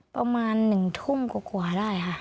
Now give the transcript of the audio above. ประมาณ๑ทุ่มกว่าได้ค่ะ